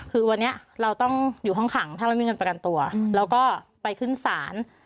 คือวันนี้เราต้องอยู่ห้องขังถ้าเรามีเงินประกันตัวเราก็ไปขึ้นศาล